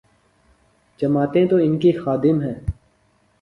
جماعتیں تو ان کی خادم ہیں۔